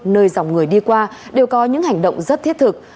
nơi dòng người đi qua đều có những hành động rất thiết thực